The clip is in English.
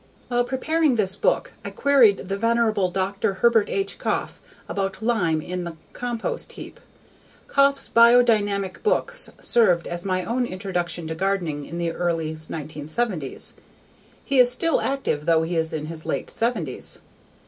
While preparing this book, I queried the venerable Dr. Herbert H. Koepf about lime in the compost heap. Koepf's biodynamic books served as my own introduction to gardening in the early 1970s. He is still active though in his late seventies.